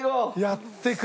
やってくれた。